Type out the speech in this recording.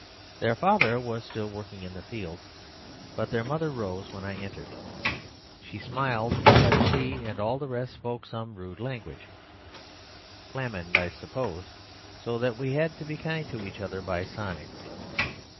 Their father was still working in the fields, but their mother rose when I entered. She smiled, but she and all the rest spoke some rude language, Flamand, I suppose; so that we had to be kind to each other by signs.